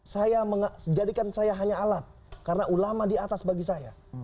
saya jadikan saya hanya alat karena ulama di atas bagi saya